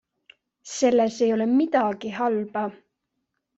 Selles ei ole midagi halba.